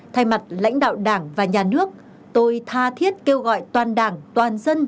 thay mặt lãnh đạo đảng và nhà nước tôi tha thiết kêu gọi toàn đảng toàn dân